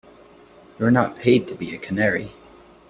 You're not paid to be a canary.